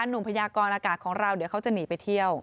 พยากรอากาศของเราเดี๋ยวเขาจะหนีไปเที่ยว